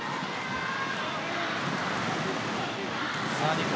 日本